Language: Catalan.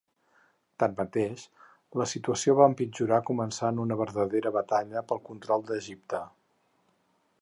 Tanmateix, la situació va empitjorar començant una verdadera batalla pel control d'Egipte.